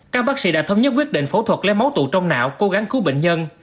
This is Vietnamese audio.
các bác sĩ đã thống nhất quyết định phẫu thuật lấy máu tụ trong não cố gắng cứu bệnh nhân